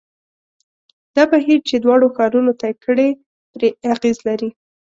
دا بهیر چې دواړو ښارونو طی کړې پرې اغېز لري.